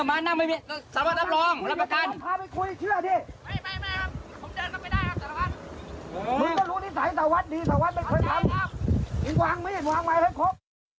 สำหรับนำรองระบกัน